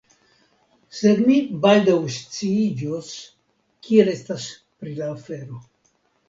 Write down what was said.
Sed mi baldaŭ sciiĝos, kiel estas pri la afero.